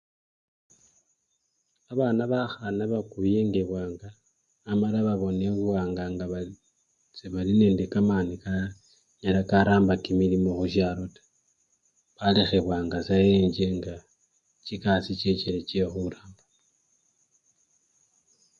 babana bakhana bakubyengebwanga amala babonebwanga nga sebali nende kamani kanyala karamba kimilimo khushalo taa balekhebwanga busa enjje nga chikasi chechile chekhuramba.